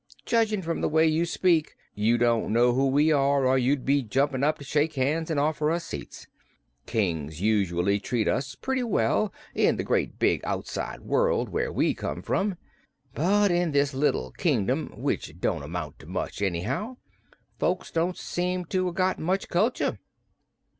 Judgin' from the way you speak, you don't know who we are, or you'd be jumpin' up to shake hands an' offer us seats. Kings usually treat us pretty well, in the great big Outside World where we come from, but in this little kingdom which don't amount to much, anyhow folks don't seem to 'a' got much culchure."